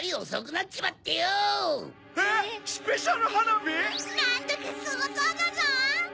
なんだかすごそうだゾウ！